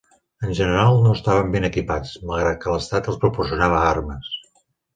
En general, no estaven ben equipats, malgrat que l'estat els proporcionava armes.